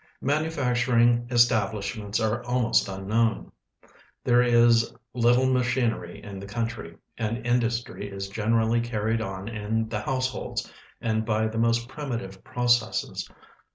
IManufacturing estal.)lishments are almost unknown. There is little machinery in the country, and industry is generally carried on in the households and by the most primitive processes.